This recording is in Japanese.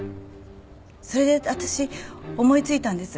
それで私思いついたんです